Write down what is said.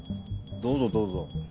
どうぞどうぞ。